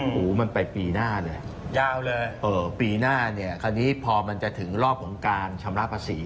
หูมันไปปีหน้าเลยยาวเลยปีหน้าเนี่ยคราวนี้พอมันจะถึงรอบของการชำระภาษี